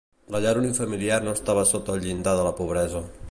La llar unifamiliar no estava sota el llindar de la pobresa.